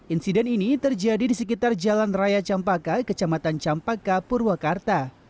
insiden ini terjadi di sekitar jalan raya campaka kecamatan campaka purwakarta